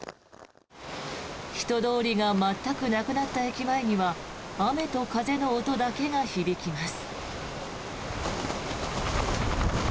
人通りが全くなくなった駅前には雨と風の音だけが響きます。